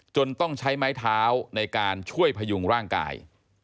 ต้องใช้ไม้เท้าในการช่วยพยุงร่างกาย